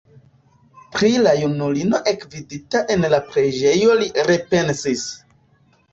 Pri la junulino ekvidita en la preĝejo li repensis.